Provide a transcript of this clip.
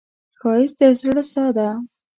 ښایست د زړه ساه ده